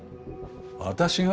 私が？